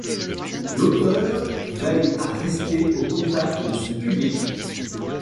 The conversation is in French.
L'auteure veille à rester au contact de son public.